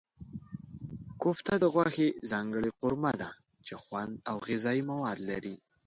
کوفته د غوښې ځانګړې قورمه ده چې خوند او غذايي مواد لري.